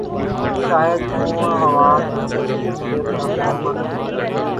شاہد کونہیں ہوا ہے کینسر، سوشل میڈیا پرافواہوں کو کیا مسترد